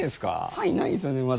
サインないんですよねまだ。